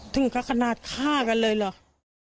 ถึงก็ขนาดฆ่ากันเลยเหรอ